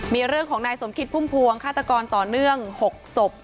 มีเรื่องของนายสมคิดพุ่มพวงฆาตกรต่อเนื่อง๖ศพ